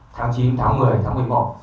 tháng chín tháng một mươi tháng một mươi một